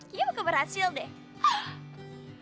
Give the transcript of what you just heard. ini bakal berhasil deh